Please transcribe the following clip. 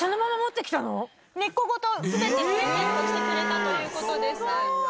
根っこごと全てプレゼントしてくれたという事です。